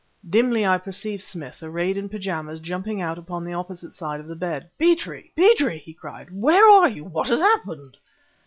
Dimly I perceived Smith, arrayed in pyjamas, jumping out upon the opposite side of the bed. "Petrie, Petrie!" he cried, "where are you? what has happened?"